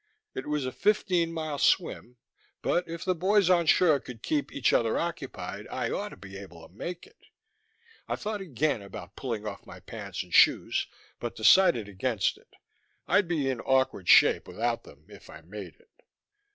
It was a fifteen mile swim, but if the boys on shore could keep each other occupied, I ought to be able to make it. I thought again about pulling off my pants and shoes but decided against it; I'd be in awkward shape without them if I made it.